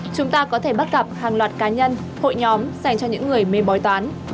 chúng ta có thể bắt gặp hàng loạt cá nhân hội nhóm dành cho những người mê bói toán